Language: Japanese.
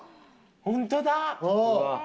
本当だ！